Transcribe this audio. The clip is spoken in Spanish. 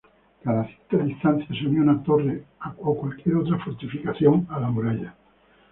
Cada cierta distancia, se unía una torre o cualquier otra fortificación a la muralla.